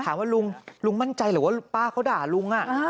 ถามว่าลุงลุงมั่นใจหรือว่าป้าเขาด่าลุงน่ะ